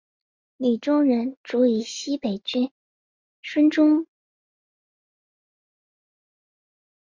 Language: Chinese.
李宗仁遂以西北军孙连仲第二十六路军在徐州以北的台儿庄与日军反复争夺。